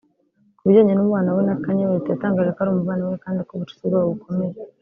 Ku bijyanye n’umubano we na Kanye West yatangaje ko ari umuvandimwe we kandi ko ubushuti bwabo bukomeye